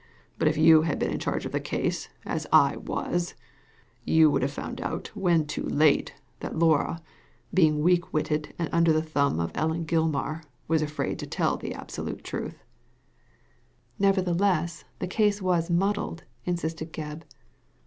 But if you had been in charge of the case, as I was, you would have found out when too late that Laura, being weak witted and under the thumb of Ellen Gilmar, was afraid to tell the absolute truth," "Nevertheless, the case was muddled," insisted Gebb.